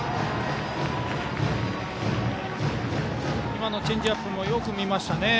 今のチェンジアップもよく見ましたね。